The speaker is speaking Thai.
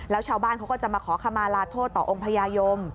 แล้วชาวบ้านเขาก็จะมาขอขมาลาโทษต่อองค์พญายม